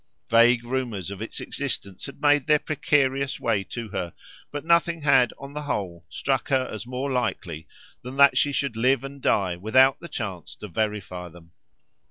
Vague rumours of its existence had made their precarious way to her; but nothing had, on the whole, struck her as more likely than that she should live and die without the chance to verify them.